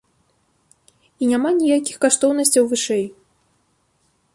І няма ніякіх каштоўнасцяў вышэй.